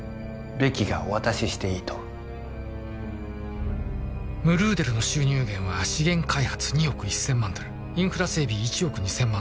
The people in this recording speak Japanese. ベキがお渡ししていいとムルーデルの収入源は資源開発２億１０００万ドルインフラ整備１億２０００万